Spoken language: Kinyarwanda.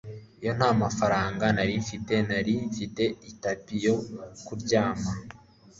Iyo ntamafaranga nari mfite nari mfite itapi yo kuryama